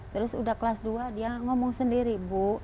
terus udah kelas dua dia ngomong sendiri bu